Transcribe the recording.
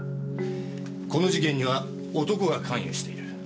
この事件には男が関与している。